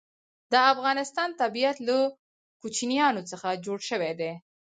د افغانستان طبیعت له کوچیانو څخه جوړ شوی دی.